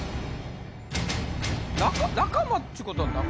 仲間っちゅうことは？